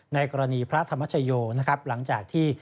ในกรณีพระธรรมชโยหลังจากที่